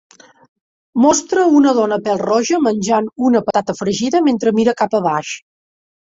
Mostra una dona pèl-roja menjant una patata fregida mentre mira cap a baix.